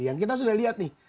yang kita sudah lihat nih